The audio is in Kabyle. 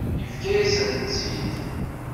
Yefka-yasent-t-id.